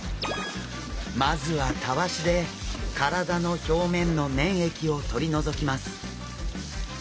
まずはたわしで体の表面の粘液を取り除きます。